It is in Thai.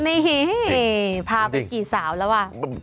นี่พาไปกี่สาวแล้วอ่ะ